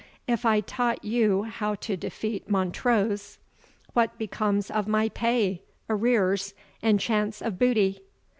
If I taught you how to defeat Montrose, what becomes of my pay, arrears, and chance of booty?"